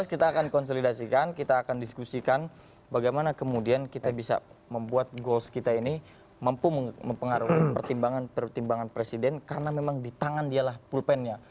kita akan konsolidasikan kita akan diskusikan bagaimana kemudian kita bisa membuat goals kita ini mampu mempengaruhi pertimbangan presiden karena memang di tangan dialah pulpennya